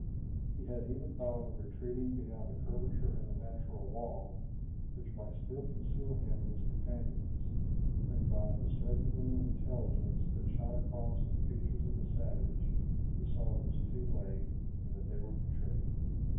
He had even thought of retreating beyond a curvature in the natural wall, which might still conceal him and his companions, when by the sudden gleam of intelligence that shot across the features of the savage, he saw it was too late, and that they were betrayed.